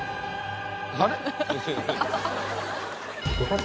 あれ？